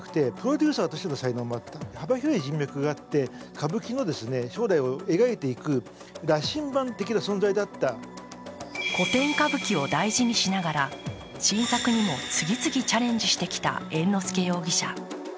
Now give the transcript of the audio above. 演劇評論家の犬丸氏は古典歌舞伎を大事にしながら新作にも次々チャレンジしてきた猿之助容疑者。